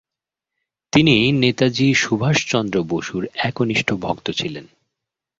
তিনি নেতাজী সুভাষচন্দ্র বসুর একনিষ্ঠ ভক্ত ছিলেন।